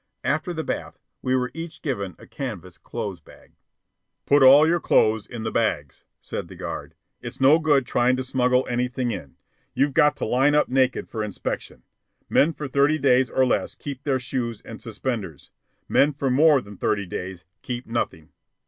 After the bath, we were each given a canvas clothes bag. "Put all your clothes in the bags," said the guard. "It's no good trying to smuggle anything in. You've got to line up naked for inspection. Men for thirty days or less keep their shoes and suspenders. Men for more than thirty days keep nothing."